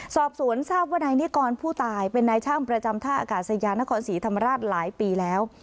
สอบสวนทราบว่านายนิกรผู้ตายเป็นนายช่างประจำท่าอากาศยานครศรีธรรมราชหลายปีแล้ว